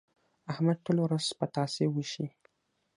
احمد ټوله ورځ پتاسې وېشي.